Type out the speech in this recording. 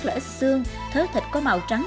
là ít xương thớ thịt có màu trắng